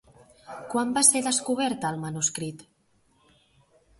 Quan va ser descobert el manuscrit?